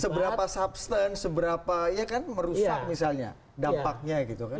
seberapa substance seberapa ya kan merusak misalnya dampaknya gitu kan